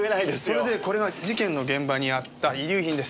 それでこれは事件の現場にあった遺留品です。